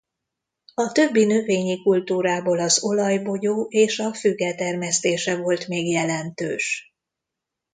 A többi növényi kultúrából az olajbogyó és a füge termesztése volt még jelentős.